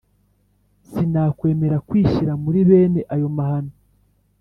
sinakwemera kwishyira muri bene ayo mahano.